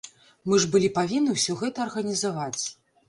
Мы ж былі павінны ўсё гэта арганізаваць.